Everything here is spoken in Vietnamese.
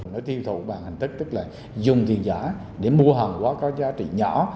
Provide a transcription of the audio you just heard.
nói tiêu thụ bằng hành tức tức là dùng tiền giả để mua hàng quá có giá trị nhỏ